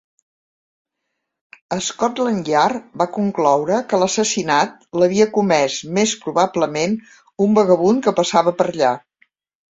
Scotland Yard va concloure que l'assassinat l'havia comés més probablement un vagabund que passava per allà.